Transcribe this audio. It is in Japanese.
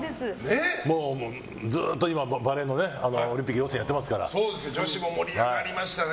ずっと今バレーのオリンピック予選女子も盛り上がりましたね。